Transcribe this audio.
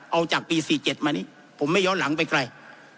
เอาจากปี๔๗มานี้ผมไม่ย้อนหลังไปไกล